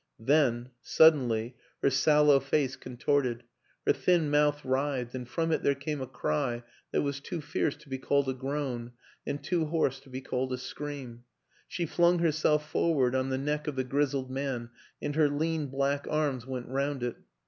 Then, sud 104 WILLIAM AN ENGLISHMAN denly, her sallow face contorted, her thin mouth writhed and from it there came a cry that was too fierce to be called a groan and too hoarse to be called a scream; she flung herself forward on the neck of the grizzled man and her lean black arms went round it.